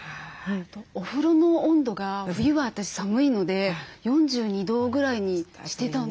お風呂の温度が冬は私寒いので４２度ぐらいにしてたんですよ。